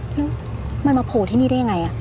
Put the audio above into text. แล้วมันมาโผล่ที่นี่ได้ยังไง